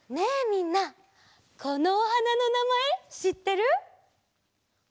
みんなこのおはなのなまえしってる？